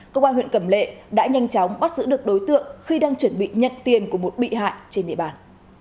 công an huyện cẩm lệ đã nhanh chóng bắt giữ được đối tượng khi đang chuẩn bị nhận tiền của một bị hại trên địa bàn